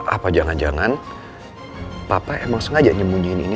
apa jangan jangan papa emang sengaja nyembunyiin ini